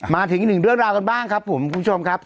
มาถึงอีกหนึ่งเรื่องราวกันบ้างครับผมคุณผู้ชมครับ